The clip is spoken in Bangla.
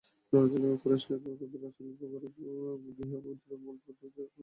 কুরাইশরা কয়েকবার রাসূলের গৃহে অপবিত্র মল-মূত্র ছুঁড়ে মারে।